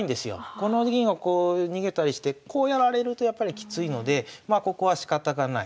この銀をこう逃げたりしてこうやられるとやっぱりきついのでまあここはしかたがない。